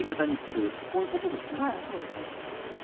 はいそうですそうです。